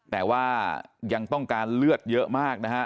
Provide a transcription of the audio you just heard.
แต่ว่ายังต้องการเลือดเยอะมากนะฮะ